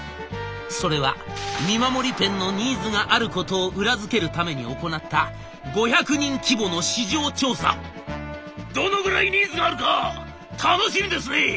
それは見守りペンのニーズがあることを裏付けるために行った「どのぐらいニーズがあるか楽しみですね！」。